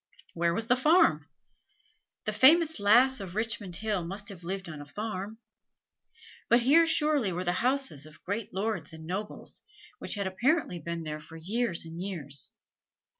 Where was the farm? The famous Lass of Richmond Hill must have lived on a farm; but here surely were the houses of great lords and nobles, which had apparently been there for years and years.